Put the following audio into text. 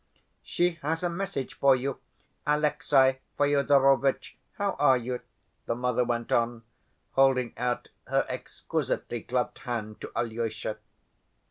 "She has a message for you, Alexey Fyodorovitch. How are you?" the mother went on, holding out her exquisitely gloved hand to Alyosha.